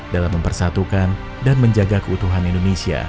dalam mempersatukan dan menjaga keutuhan indonesia